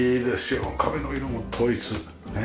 壁の色も統一。ねえ。